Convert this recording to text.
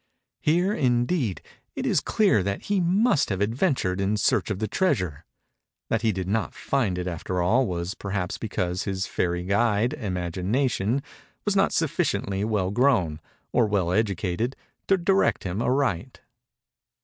Here, indeed, it is clear that he must have adventured in search of the treasure:—that he did not find it after all, was, perhaps, because his fairy guide, Imagination, was not sufficiently well grown, or well educated, to direct him aright.